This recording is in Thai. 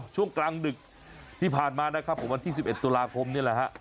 ช่วงกลางดึกที่ผ่านมานะครับของวันที่๑๑ตุลาคมนี่แหละฮะ